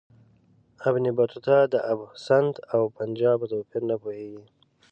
ابن بطوطه د آب سند او پنجاب په توپیر نه پوهیږي.